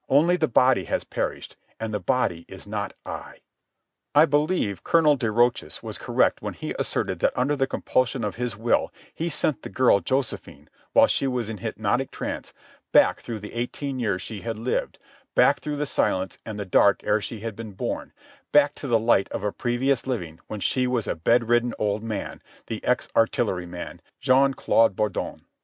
Only the body has perished, and the body is not I. I believe Colonel de Rochas was correct when he asserted that under the compulsion of his will he sent the girl Josephine, while she was in hypnotic trance, back through the eighteen years she had lived, back through the silence and the dark ere she had been born, back to the light of a previous living when she was a bedridden old man, the ex artilleryman, Jean Claude Bourdon.